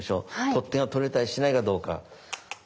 取っ手が取れたりしないかどうか。